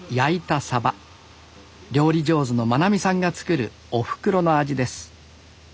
料理上手の真奈美さんが作るおふくろの味です